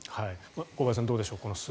小林さん、どうでしょう。